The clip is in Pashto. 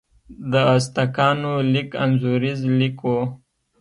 د ازتکانو لیک انځوریز لیک و.